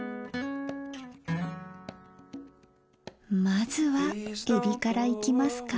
まずはえびからいきますか。